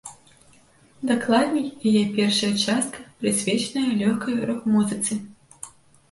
Дакладней, яе першая частка, прысвечаная лёгкай рок-музыцы.